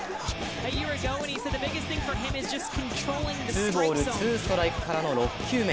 ツーボール・ツーストライクからの６球目。